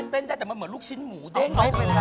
ออฟเต็นได้แต่มันเหมือนลูกชิ้นหมูเด้ง